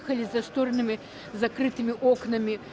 kami berjalan di depan pintu yang terkunci